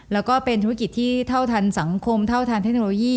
แล้วก็เป็นธุรกิจที่เท่าทันสังคมเท่าทันเทคโนโลยี